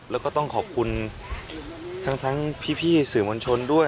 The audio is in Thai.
แล้วก็ต้องขอบคุณทั้งพี่สื่อมวลชนด้วย